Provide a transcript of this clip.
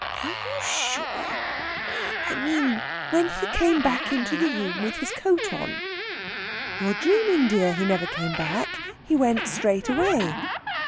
"Are you sure? I mean, when he came back into the room with his coat on." "You are dreaming, dear! He never came back. He went straight away."